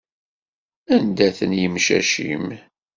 Anda-ten yimcac-im?